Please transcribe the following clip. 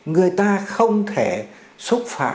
người ta không thể xúc phạm